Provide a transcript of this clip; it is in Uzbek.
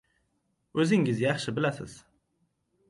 o‘zingiz yaxshi bilasiz.